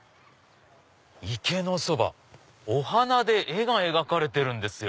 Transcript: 池のそばお花で絵が描かれてるんです。